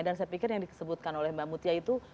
dan saya pikir yang disebutkan oleh mbak mutia itu